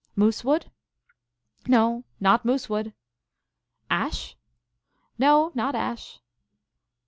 " Moosewood?" " No, not moosewood." "Ash?" " No, not ash."